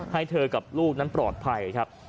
ให้เธอกับลูกนั้นปลอดภัยครับ